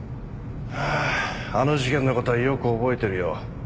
あああの事件の事はよく覚えてるよ。